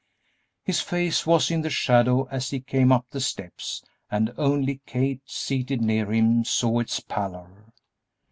His face was in the shadow as he came up the steps, and only Kate, seated near him, saw its pallor.